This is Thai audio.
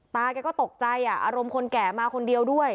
แกก็ตกใจอารมณ์คนแก่มาคนเดียวด้วย